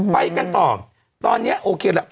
ไปกันต่อตอนนี้โอเคแล้ว